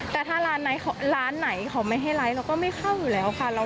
แต่ถ้าร้านไหนร้านไหนเขาไม่ให้ไลค์เราก็ไม่เข้าอยู่แล้วค่ะ